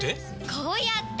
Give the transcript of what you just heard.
こうやって！